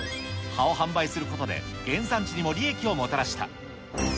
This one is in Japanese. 葉を販売することで、原産地にも利益をもたらした。